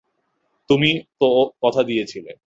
তুমি তো কথা দিয়েছিলে।